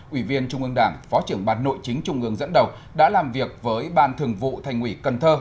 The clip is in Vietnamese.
ủy viên trung ương đảng phó trưởng ban nội chính trung ương dẫn đầu đã làm việc với ban thường vụ thành ủy cần thơ